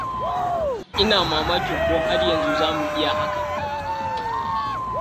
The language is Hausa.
Ina mamakin ko har yanzu zamu iya hakan.